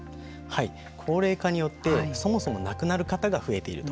高齢化によってそもそも亡くなる方が増えていると。